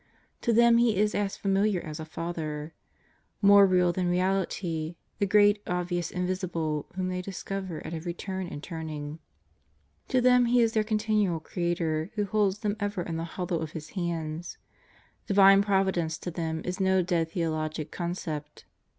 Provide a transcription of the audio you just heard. To them He is as familiar as a Father; more real than reality, the Great Obvious Invisible whom they discover at every turn and turning. To them He is their Continual Creator who holds them ever in the hollow of His hands. Divine Providence to them is no dead theologic concept.